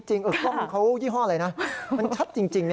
กล้องเขายี่ห้ออะไรนะมันชัดจริง